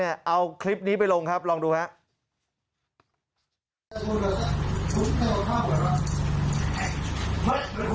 เอาคลิปนี้ไปลงครับลองดูครับ